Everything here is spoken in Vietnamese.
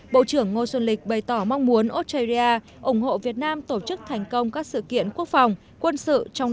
bộ trưởng ngô xuân lịch bày tỏ mong muốn australia ủng hộ việt nam tổ chức thành công các sự kiện quốc phòng